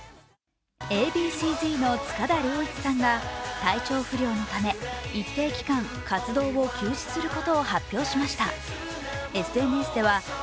Ａ．Ｂ．Ｃ−Ｚの塚田僚一さんが体調不良のため一定期間、活動を休止することを発表しました。